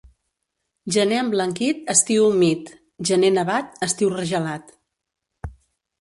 Gener emblanquit, estiu humit; gener nevat, estiu regelat.